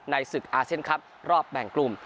ศึกอาเซียนครับรอบแบ่งกลุ่ม